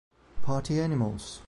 Party Animals